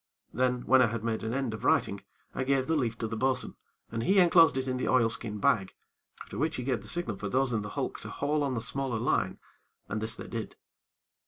Then, when I had made an end of writing, I gave the leaf to the bo'sun, and he enclosed it in the oilskin bag, after which he gave the signal for those in the hulk to haul on the smaller line, and this they did.